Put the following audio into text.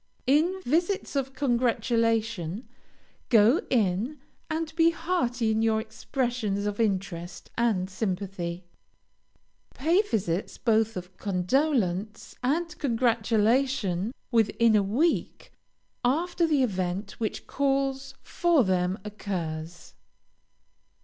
In visits of congratulation, go in, and be hearty in your expressions of interest and sympathy. Pay visits, both of condolence and congratulation, within a week after the event which calls for them occurs.